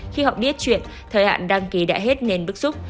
khi họ biết chuyện thời hạn đăng ký đã hết nên bức xúc